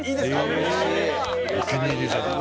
お気に入りじゃない。